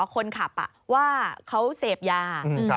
คนขับว่าเขาเสพยา